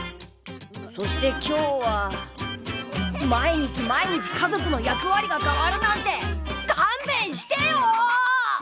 そして今日は毎日毎日家族の役割が変わるなんてかんべんしてよ！